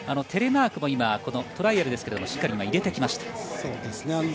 テレマークも今トライアルですがしっかり入れてきました。